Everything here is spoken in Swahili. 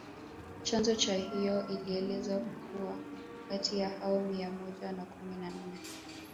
Chanzo cha hiyo ilieleza kuwa kati ya hao mia moja na kumi na nne